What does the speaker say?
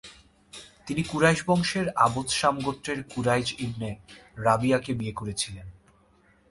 তিনি কুরাইশ বংশের আবদশাম গোত্রের কুরাইজ ইবনে রাবিয়াকে বিয়ে করেছিলেন।